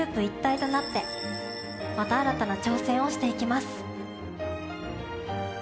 一体となってまた新たな挑戦をしていきます。